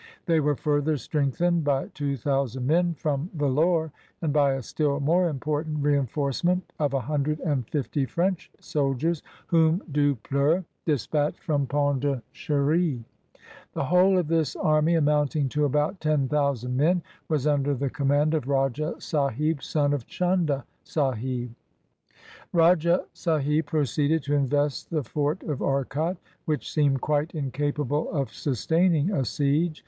They were further strength ened by two thousand men from Vellore, and by a still more important reinforcement of a hundred and fifty French soldiers whom Dupleix dispatched from Pondi 152 HOW ROBERT CLIVE DEFENDED ARCOT cherry. The whole of this army, amounting to about ten thousand men, was under the command of Rajah Sahib, son of Chunda Sahib. Rajah Sahib proceeded to invest the fort of Arcot, which seemed quite incapable of sustaining a siege.